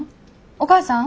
お母さん？